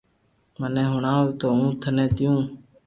مني ھڻاو تو ھون ٽني ديو